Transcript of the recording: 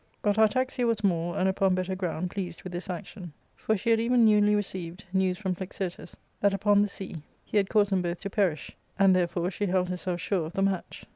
But Artaxia was more, and upon better ground, pleased with this action ; for she had even newly received 240 ARCADIA.^Book 11. news from Plexirtus that upon the sea he had caused them both to perish, and therefore she held herself sure of the match.